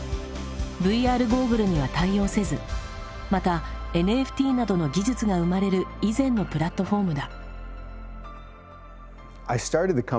ＶＲゴーグルには対応せずまたＮＦＴなどの技術が生まれる以前のプラットフォームだ。